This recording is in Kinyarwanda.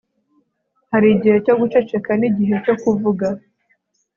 hari igihe cyo guceceka, n'igihe cyo kuvuga